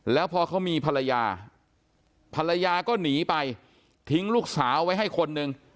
แล้วพอเขามีภรรยาภรรยาก็หนีไปทิ้งลูกสาวไว้ให้คนหนึ่ง